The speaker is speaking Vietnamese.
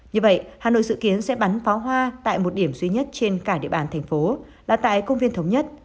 như vậy hà nội dự kiến sẽ bắn pháo hoa tại một điểm duy nhất trên cả địa bàn thành phố là tại công viên thống nhất